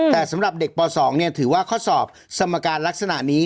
แต่สำหรับเด็กป๒ถือว่าข้อสอบสมการลักษณะนี้